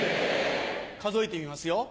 数えてみますよ。